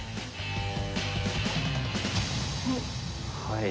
はい。